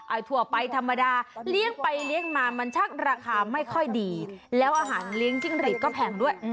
ทั่วไปธรรมดาเลี้ยงไปเลี้ยงมามันชักราคาไม่ค่อยดีแล้วอาหารเลี้ยงจิ้งหลีดก็แพงด้วย